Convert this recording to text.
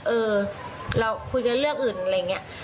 เออเราคุยกันเรื่องอื่นอะไรอย่างนี้